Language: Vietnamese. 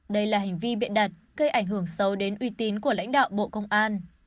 đây là hành vi biện đặt gây ảnh hưởng sâu đến uy tín của lãnh đạo bộ công an